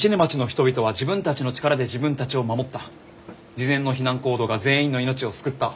事前の避難行動が全員の命を救った。